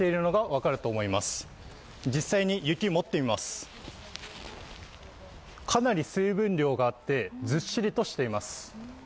かなり水分量があって、ずっしりとしています。